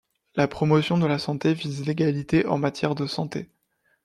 La promotion de la santé vise l'égalité en matière de santé.